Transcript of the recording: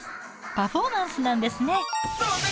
パフォーマンスなんですね。